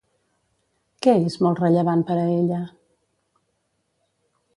Què és molt rellevant per a ella?